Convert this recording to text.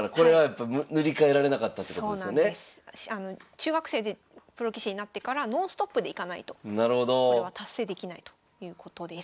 中学生でプロ棋士になってからノンストップでいかないとこれは達成できないということです。